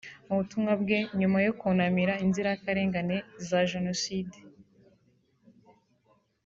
Mu butumwa bwe nyuma yo kunamira inzirakarengane za jenoside